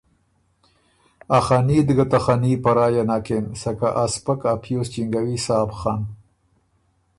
ا خني ت ګۀ ته خني په رایه نکِن ”سکه ا سپک ا پیوز چینګوی سا بو خن“